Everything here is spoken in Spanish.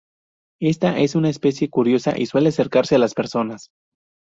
Ésta es una especie curiosa y suele acercarse a las personas.